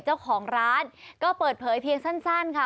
เจ้าของร้านก็เปิดเผยเพียงสั้นค่ะ